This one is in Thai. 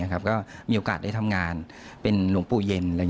ก็มีโอกาสได้ทำงานเป็นหลวงปู่เย็น